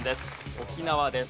沖縄です。